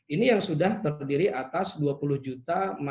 ini yang sudah terdiri atas dua puluh juta